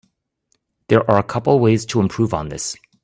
There are a couple ways to improve on this.